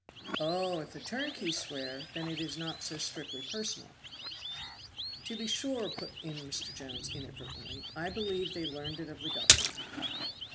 "Oh! if the turnkeys swear, then it was not so strictly personal." "To be sure," put in Mr. Jones inadvertently, "I believe they learned it of the governor."